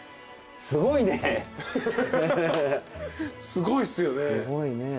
すごいっすよね。